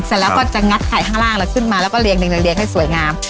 เสร็จแล้วก็จะงัดไข่ข้างล่างแล้วขึ้นมาแล้วก็เรียงเรียงเรียงเรียงให้สวยงาม